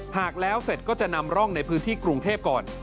หากแล้วเสร็จก็จะนำร่องในพื้นที่กรุงเทพก่อน